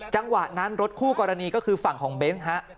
จังหวะนั้นรถคู่กรณีก็คือฝั่งของเบนส์ฮะ